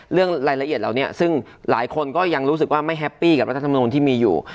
เรื่องรายละเอียดเหล่านี้ซึ่งหลายคนก็ยังรู้สึกว่าไม่แฮปปี้กับรัฐธรรมนุนที่มีอยู่